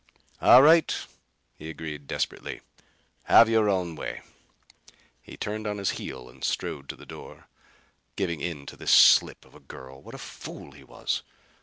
"All right!" he agreed desperately, "have your own way." He turned on his heel and strode to the door. Giving in to this slip of a girl! What a fool he was!